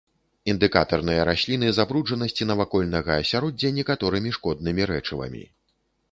Індыкатарныя расліны забруджанасці навакольнага асяроддзя некаторымі шкоднымі рэчывамі.